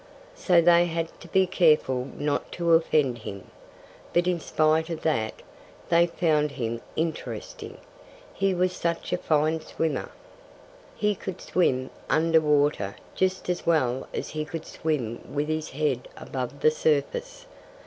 So they had to be careful not to offend him. But in spite of that, they found him interesting he was such a fine swimmer. He could swim under water just as well as he could swim with his head above the surface.